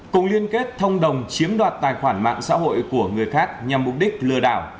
cùng liên kết thông đồng chiếm đoạt tài khoản mạng xã hội của người khác nhằm mục đích lừa đảo